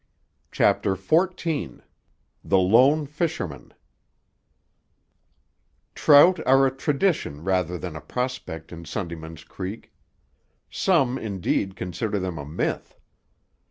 CHAPTER XIV—THE LONE FISHERMAN Trout are a tradition rather than a prospect in Sundayman's Creek. Some, indeed, consider them a myth.